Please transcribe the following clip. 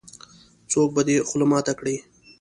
-څوک به دې خوله ماته کړې.